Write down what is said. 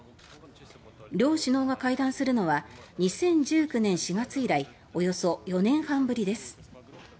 両首脳が会談するのは２０１９年４月以来およそ４年半ぶりです。